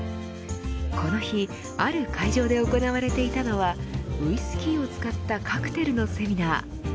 この日ある会場で行われていたのはウイスキーを使ったカクテルのセミナー。